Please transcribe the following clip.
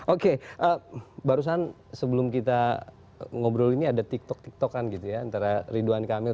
oke barusan sebelum kita ngobrol ini ada tiktok tiktokan gitu ya antara ridwan kamil